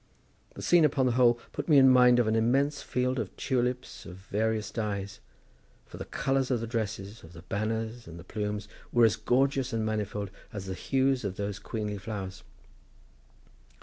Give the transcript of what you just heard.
The scene upon the whole put me in mind of an immense field of tulips of various dyes, for the colours of the dresses, of the banners and the plumes, were as gorgeous and manifold as the hues of those queenly flowers."